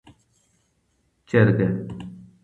چرګه 🐓